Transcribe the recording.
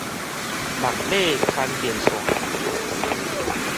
目尾牽電線